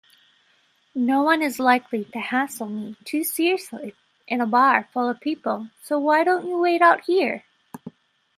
Noone is likely to hassle me too seriously in a bar full of people, so why don't you wait out here?